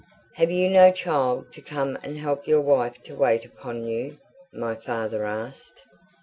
"Have you no child to come and help your wife to wait upon you?" my father asked.